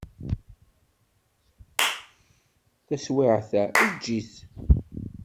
Taswiɛt-a, eǧǧ-it.